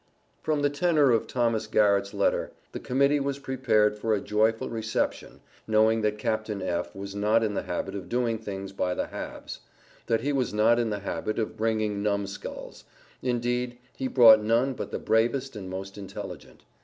From the tenor of Thomas Garrett's letter, the Committee was prepared for a joyful reception, knowing that Captain F. was not in the habit of doing things by the halves that he was not in the habit of bringing numbskulls; indeed he brought none but the bravest and most intelligent.